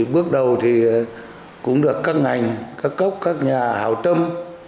bước đầu thì cũng được các ngành các cốc các nhà hào tâm